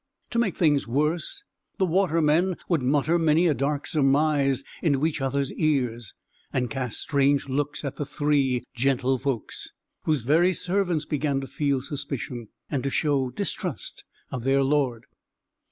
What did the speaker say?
To make things worse, the watermen would mutter many a dark surmise into each other's ears, and cast strange looks at the three gentlefolks, whose very servants began to feel suspicion, and to show distrust of their lord.